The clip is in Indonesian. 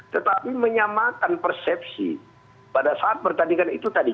tetapi menyamakan persepsi pada saat pertandingan itu tadi